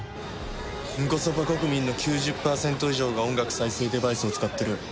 ンコソパ国民の９０パーセント以上が音楽再生デバイスを使ってる。